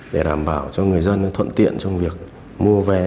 để đảm bảo cho người dân thuận tiện trong việc mua vé